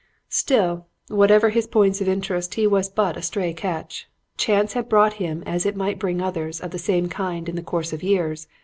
"Still, whatever his points of interest, he was but a stray catch. Chance had brought him as it might bring others of the same kind in the course of years.